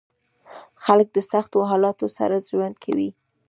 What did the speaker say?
خلک د سختو حالاتو سره ژوند کوي.